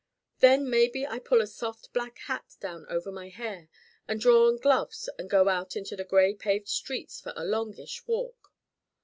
Then maybe I pull a soft black hat down over my hair and draw on gloves and go out into the gray paved streets for a longish walk.